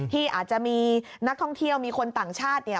ที่อาจจะมีนักท่องเที่ยวมีคนต่างชาติ